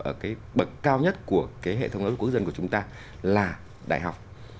ở cái bậc cao nhất của cái hệ thống lớp quốc dân của chúng ta là đại học